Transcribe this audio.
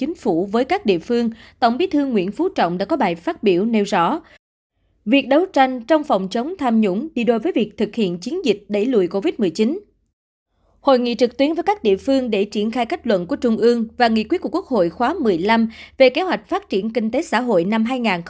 hội nghị trực tuyến với các địa phương để triển khai kết luận của trung ương và nghị quyết của quốc hội khóa một mươi năm về kế hoạch phát triển kinh tế xã hội năm hai nghìn hai mươi